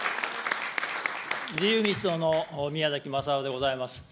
自由民主党の宮崎雅夫でございます。